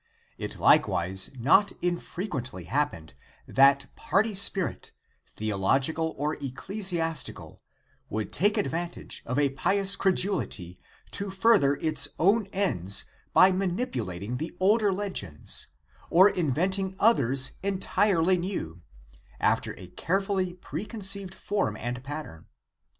It likewise not in frequently happened that party spirit, theological or ecclesias tical, would take advantage of a pious credulity to further its own ends by manipulating the older legends, or invent ing others entirely new, after a carefully preconceived form and pattern.